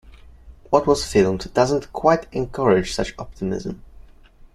What was filmed doesn't quite encourage such optimism.